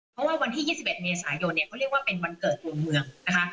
เพราะว่าวันที่๒๑เมษายนเนี่ยเขาเรียกว่าเป็นวันเกิดดวงเมืองนะคะ